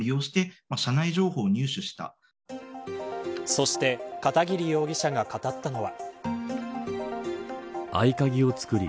そして片桐容疑者が語ったのは。